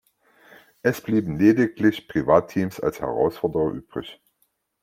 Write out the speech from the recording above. Es blieben lediglich Privat-Teams als Herausforderer übrig.